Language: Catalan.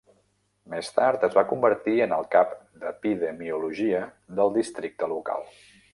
Més tard es va convertir en el cap d'Epidemiologia del districte local.